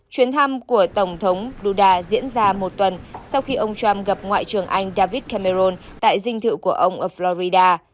chuyến thăm của tổng thống duda diễn ra một tuần sau khi ông trump gặp ngoại trưởng anh david cameron tại dinh thự của ông oflorida